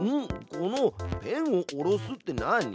この「ペンを下ろす」って何？